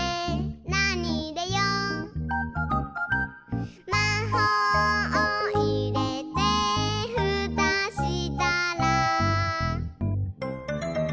「なにいれよう？」「まほうをいれてふたしたら」